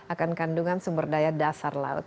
akan kandungan sumber daya dasar laut